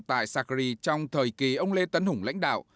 tại sacri trong thời kỳ ông lê tấn hùng lãnh đạo